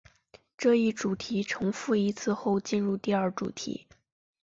这一主题重复一次后进入第二主题。